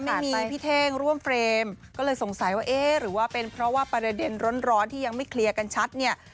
ไม่มีพี่เท่งร่วมเฟรมก็เลยสงสัยว่าเอ๊ะหรือว่าเป็นเพราะว่าประเด็นร้อนที่ยังไม่เคลียร์กันชัดเนี่ย